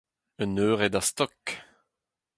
Un eured a-stok.